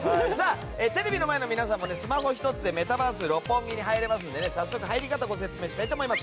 テレビの前の皆さんもメタバース六本木に入れますので早速、入り方をご説明したいと思います。